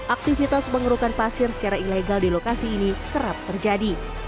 aktivitas pengerukan pasir secara ilegal di lokasi ini kerap terjadi